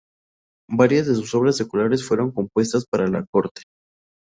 Varias de sus obras seculares fueron compuestas para la corte.